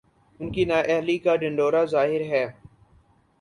ان کی نااہلی کا ڈھنڈورا ظاہر ہے۔